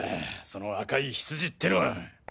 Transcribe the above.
その赤いヒツジってのは？